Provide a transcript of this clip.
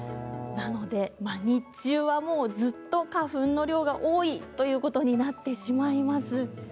なので日中はずっと花粉の量が多いということになってしまいます。